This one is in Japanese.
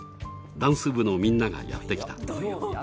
ダンス部のみんながやって来た。